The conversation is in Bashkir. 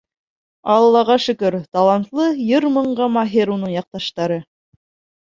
Аллаға шөкөр, талантлы, йыр-моңға маһир уның яҡташтары.